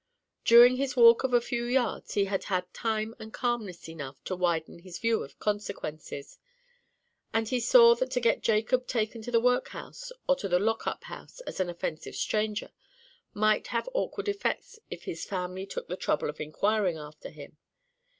During his walk of a few yards he had had time and calmness enough to widen his view of consequences, and he saw that to get Jacob taken to the workhouse or to the lock up house as an offensive stranger might have awkward effects if his family took the trouble of inquiring after him.